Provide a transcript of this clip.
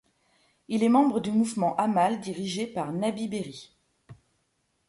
Il est membre du Mouvement Amal dirigé par Nabih Berri.